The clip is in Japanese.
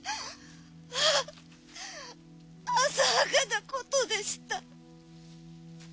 あさはかなことでした。